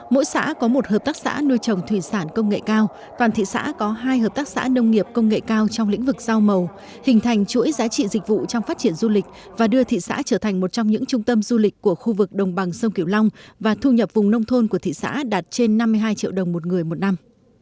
mỗi xã có một hợp tác xã nuôi trồng thủy sản công nghệ cao toàn thị xã có hai hợp tác xã nông nghiệp công nghệ cao trong lĩnh vực rau màu hình thành chuỗi giá trị dịch vụ trong phát triển du lịch và đưa thị xã trở thành một trong những trung tâm du lịch của khu vực đồng bằng sông kiểu long và thu nhập vùng nông thôn của thị xã đạt trên năm mươi hai triệu đồng một người một năm